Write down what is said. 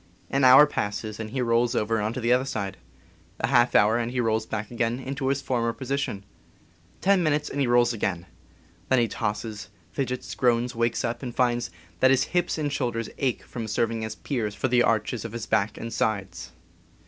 An hour passes, and he rolls over on the other side; a half hour, and he rolls back again into his former position; ten minutes, and he rolls again; then he tosses, fidgets, groans, wakes up, and finds that his hips and shoulders ache from serving as piers for the arches of his back and sides.